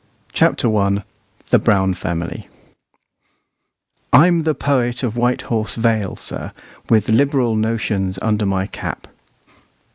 CHAPTER I THE BROWN FAMILY "I'm the Poet of White Horse Vale, sir, With liberal notions under my cap."